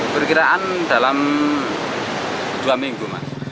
berkiraan dalam dua minggu